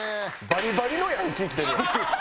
バリバリのヤンキー来てるやん。